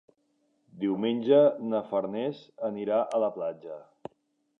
Diumenge na Farners anirà a la platja.